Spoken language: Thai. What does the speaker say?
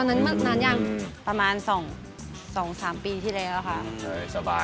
หรือยังประมาณ๒สามปีที่แรกแล้วค่ะ